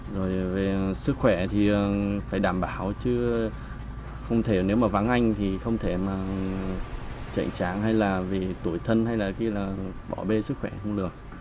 rồi về sức khỏe thì phải đảm bảo chứ không thể nếu mà vắng anh thì không thể mà chạy tráng hay là vì tuổi thân hay là bỏ bê sức khỏe không được